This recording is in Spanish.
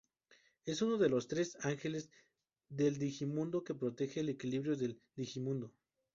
Es uno de los Tres angeles del digimundo que protege el equilibrio del digimundo.